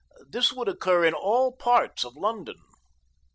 This would occur in all parts of London.